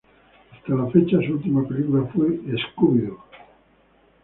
Hasta la fecha su última película fue "Scooby-Doo!